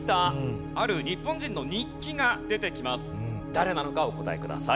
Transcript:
誰なのかお答えください。